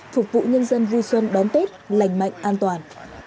phục vụ nhân dân vui xuân đón tết lành mạnh an toàn